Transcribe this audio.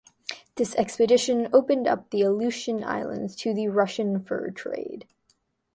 This expedition opened up the Aleutian Islands to the Russian fur trade.